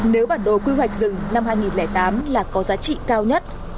nếu bản đồ quy hoạch rừng năm hai nghìn tám là có giá trị cao nhất